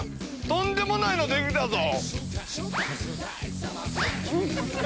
とんでもないのできたぞ！